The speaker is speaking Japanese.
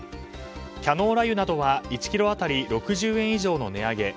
キャノーラ油などは１ｋｇ当たり６０円以上の値上げ。